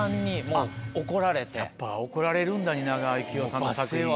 やっぱ怒られるんだ蜷川幸雄さんの作品。